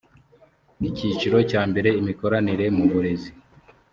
icyiciro cyambere imikoranire mu burezi